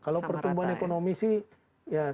kalau pertumbuhan ekonomi sih